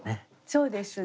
そうですね。